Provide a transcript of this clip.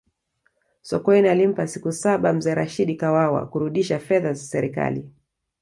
sokoine alimpa siku saba mzee rashidi kawawa kurudisha fedha za serikali